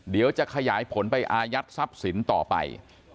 เดี๋ยวจะขยายผลไปอายัดทรัพย์สินต่อไป